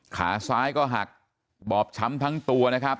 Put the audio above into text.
ขาซ้ายก็หักบอบช้ำทั้งตัวนะครับ